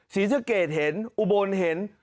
ศรีเจ้าเกรดเห็นอุโบนเห็น